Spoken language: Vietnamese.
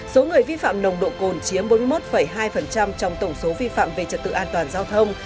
số người vi phạm nồng độ cồn chiếm bốn mươi một hai trong tổng số vi phạm về trật tự an toàn giao thông